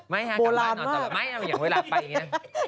ไม่ฮะกลับบ้านนอนแต่ว่าไม่เอาอย่างเวลาไปอย่างงี้นะ